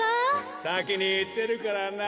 さきにいってるからな。